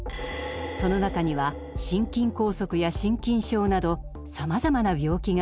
その中には心筋梗塞や心筋症などさまざまな病気があります。